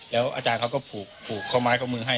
แล้วอาจารย์เขาก็ปลูกข้อม้ายครบมือให้